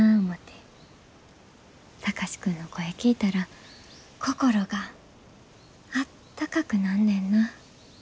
貴司君の声聞いたら心があったかくなんねんな。